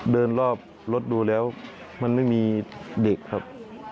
เดินรอบรถดูแล้วมันไม่มีเด็กครับ